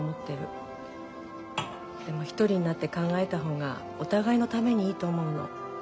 でも一人になって考えた方がお互いのためにいいと思うの。